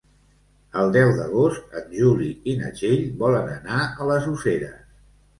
El deu d'agost en Juli i na Txell volen anar a les Useres.